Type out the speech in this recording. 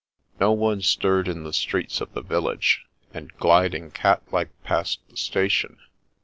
No one stirred in the streets of the village, and, gliding cat like past the station.